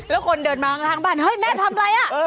แล้วคนเดินมาข้างบ้านเฮ้ยแม่ทำอะไรอ่ะ